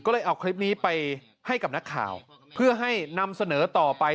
ก็เลยเอาคลิปนี้ไปให้กับนักข่าวเพื่อให้นำเสนอต่อไป